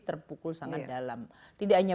terpukul sangat dalam tidak hanya